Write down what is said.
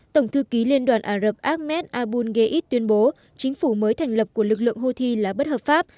tổng thư ký liên đoàn ả rập ahmed abulgeid tuyên bố chính phủ mới thành lập của lực lượng houthi là bất hợp pháp